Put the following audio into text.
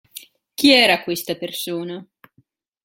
Chi era questa persona?